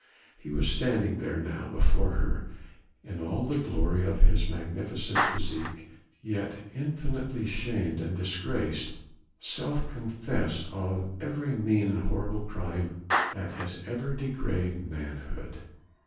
He was standing there now before her, in all the glory of his magnificent physique, yet infinitely shamed and disgraced, self confessed of every mean and horrible crime that has ever degraded manhood.